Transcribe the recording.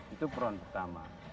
itu peron pertama